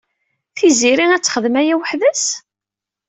Tiziri ad texdem aya weḥd-s?